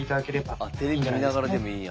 あっテレビ見ながらでもいいんや。